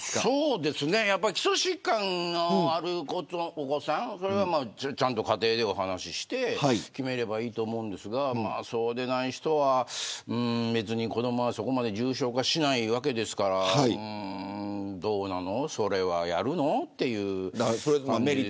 そうですね、やっぱり基礎疾患のあるお子さんはちゃんと家庭でお話して決めればいいと思うんですがそうでない人は別に子どもはそこまで重症化しないわけですから、どうなのそれはやるのという感じですね。